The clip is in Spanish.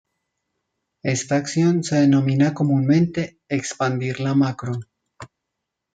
Esta acción se denomina comúnmente "expandir la macro".